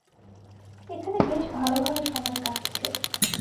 এখানে বেশ ভালভাবে সময় কাটছে।